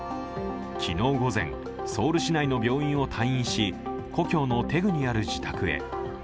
昨日午前、ソウル市内の病院を退院し、故郷のテグにある自宅へ。